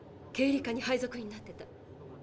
経理課に配属になってた。